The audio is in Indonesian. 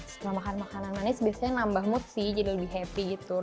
setelah makan makanan manis biasanya nambah mood sih jadi lebih happy gitu